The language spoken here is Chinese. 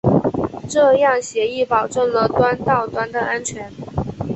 这样协议保证了端到端的安全。